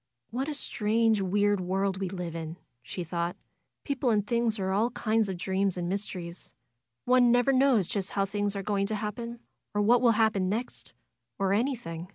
^^What a strange, weird world we live in!" she thought. '^People and things are all kind of dreams and mysteries. One never knows just how things are going to happen; or what will happen next; or any thing.